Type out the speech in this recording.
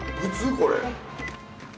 これ。